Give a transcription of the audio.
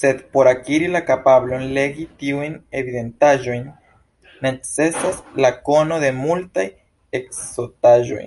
Sed por akiri la kapablon legi tiujn evidentaĵojn necesas la kono de multaj ekzotaĵoj.